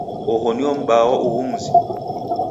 Oho nuo m'baa wa ughu mzi?